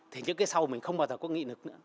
thì những cái sau mình không bao giờ có nghĩ được nữa